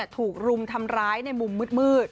ถูกรุมทำร้ายในมุมมืด